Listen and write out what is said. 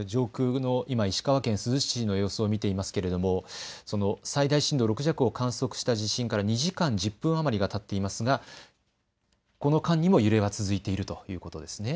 石川県珠洲市の上空の様子を見ていただいていますが最大震度６弱を観測した地震から２時間１０分余りがたっていますがこの間にも揺れは続いているということですね。